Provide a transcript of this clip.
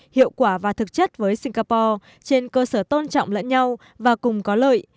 hiệu quả và thực chất với singapore trên cơ sở tôn trọng lẫn nhau và cùng có lợi